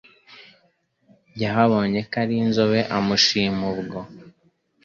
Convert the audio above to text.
Yahabonye Kari-nzobe amushima ubwo